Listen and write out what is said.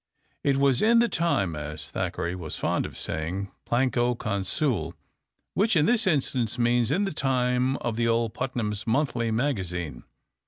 It was in the time, as Thackeray was fond of saying, Planco Consule, which in this instance means in the time of the old Putnam's Monthly Magazine.